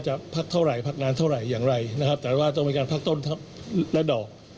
จะพักเท่าไหร่พักนานเท่าไหร่อย่างไรแต่ว่าต้องเป็นการพักต้นและดอก